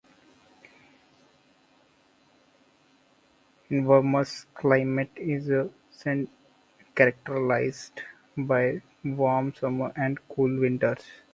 Invermere's climate is characterized by warm summers and cool winters.